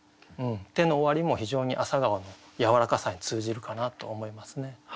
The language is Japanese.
「て」の終わりも非常に朝顔のやわらかさに通じるかなと思いますね。